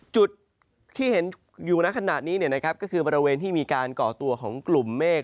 จุดที่เห็นอยู่ขนาดนี้นะครับก็คือบริเวณที่มีการเกาะตัวของกลุ่มเมฆ